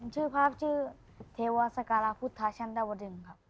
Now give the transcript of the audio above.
ชื่อภาพชื่อเทวาสการาพุทธชั้นดาวดึงครับ